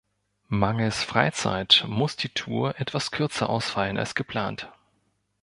Mangels Freizeit muss die Tour etwas kürzer ausfallen als geplant.